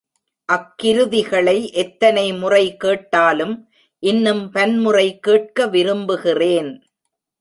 அக்கிருதிகளை எத்தனை முறை கேட்டாலும் இன்னும் பன்முறை கேட்க விரும்புகிறேன்.